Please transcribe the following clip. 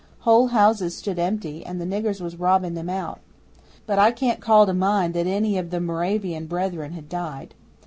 Whole houses stood empty and the niggers was robbing them out. But I can't call to mind that any of the Moravian Brethren had died.